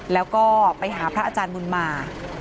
แล้วก็ไปหาพระอาจารย์บุญมา